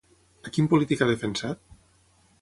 A quin polític ha defensat?